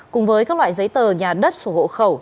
cùng với các loại giấy tờ nhà đất sổ hộ khẩu